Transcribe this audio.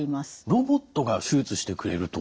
ロボットが手術してくれると。